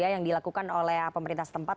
yang dilakukan oleh pemerintah setempat